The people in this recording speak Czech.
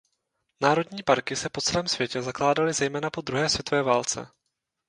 Národní parky se po celém světě zakládaly zejména po druhé světové válce.